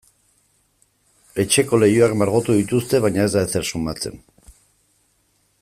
Etxeko leihoak margotu dituzte baina ez da ezer sumatzen.